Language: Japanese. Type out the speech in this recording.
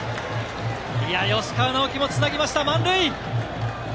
吉川尚輝も繋げました、満塁。